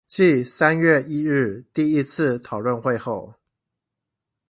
繼三月一日第一次討論會後